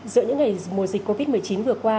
giữa những ngày mùa dịch covid một mươi chín vừa qua